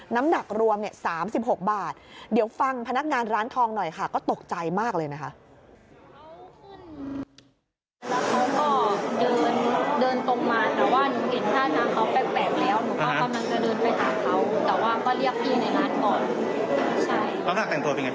น้ำหนักรวม๓๖บาทเดี๋ยวฟังพนักงานร้านทองหน่อยค่ะก็ตกใจมากเลยนะคะ